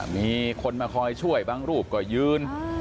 มีคนมาคอยช่วยบางรูปก็ยืน